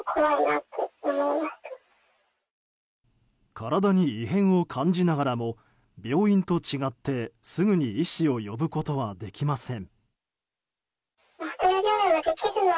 体に異変を感じながらも病院と違ってすぐに医師を呼ぶことはできません。